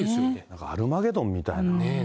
アルマゲドンみたい。